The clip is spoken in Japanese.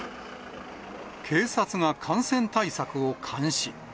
警察が感染対策を監視。